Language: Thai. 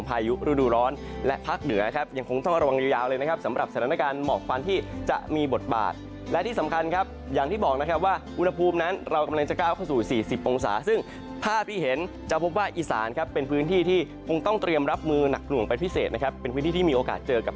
พายุฤดูร้อนและภาคเหนือครับยังคงต้องระวังยาวเลยนะครับสำหรับสถานการณ์หมอกควันที่จะมีบทบาทและที่สำคัญครับอย่างที่บอกนะครับว่าอุณหภูมินั้นเรากำลังจะก้าวเข้าสู่๔๐องศาซึ่งภาพที่เห็นจะพบว่าอีสานครับเป็นพื้นที่ที่คงต้องเตรียมรับมือหนักหน่วงเป็นพิเศษนะครับเป็นพื้นที่ที่มีโอกาสเจอกับ